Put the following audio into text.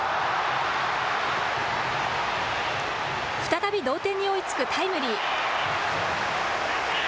再び同点に追いつくタイムリー。